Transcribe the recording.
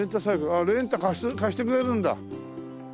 ああレンタ貸してくれるんだ。